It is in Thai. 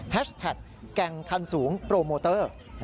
แท็กแก่งคันสูงโปรโมเตอร์